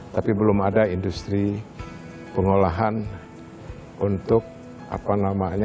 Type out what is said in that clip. tapi belum ada industri pengolahan untuk apa namanya